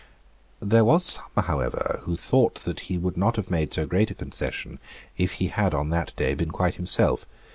There was some however who thought that he would not have made so great a concession if he had on that day been quite himself.